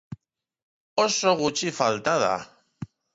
Oso gutxi falta da!